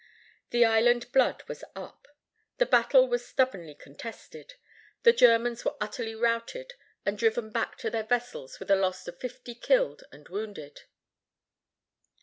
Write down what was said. The island blood was up. The battle was stubbornly contested. The Germans were utterly routed and driven back to their vessels with a loss of fifty killed and wounded.